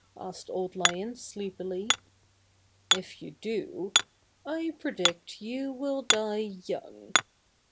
'' asked Old Lion sleep ily. "If you do, I predict you will die young.